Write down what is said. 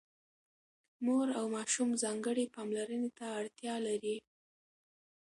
مور او ماشوم ځانګړې پاملرنې ته اړتيا لري.